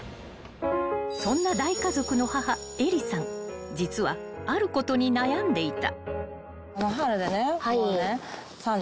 ［そんな大家族の母英里さん実はあることに悩んでいた］